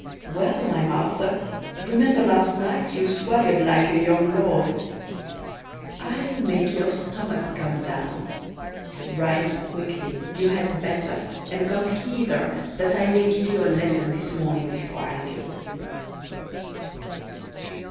Well, my master, remember last night you swaggered like a young lord. I'll make your stomach come down; rise quickly, you had better, and come hither that I may give you a lesson this morning before I go.